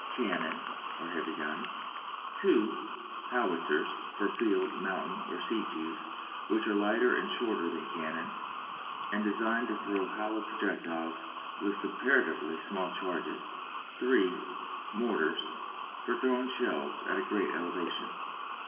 Cannon, or heavy guns. (ii.) Howitzers, for field, mountain, or siege use, which are lighter and shorter than cannon, and designed to throw hollow projectiles with comparatively small charges. (iii.) Mortars, for throwing shells at a great elevation.